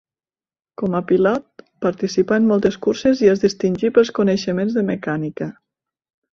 Com a pilot, participà en moltes curses i es distingí pels coneixements de mecànica.